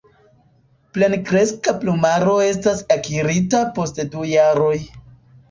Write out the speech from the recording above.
Plenkreska plumaro estas akirita post du jaroj.